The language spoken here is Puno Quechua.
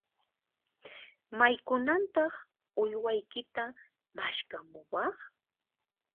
Maykunantan uywaykita maskhamuwaq?